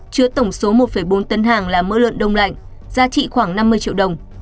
chứa tổng số một bốn tấn hàng là mỡ lợn đông lạnh giá trị khoảng năm mươi triệu đồng